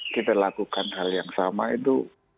kita lakukan hal yang sama itu